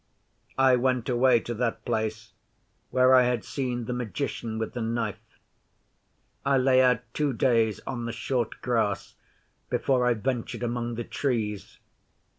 'I went away to that place where I had seen the magician with the knife. I lay out two days on the short grass before I ventured among the Trees.